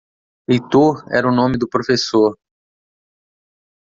Heitor era o nome do prefessor.